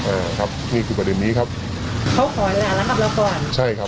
อ่าครับนี่คือประเด็นนี้ครับเขาขอแล้วนะครับแล้วก่อนใช่ครับ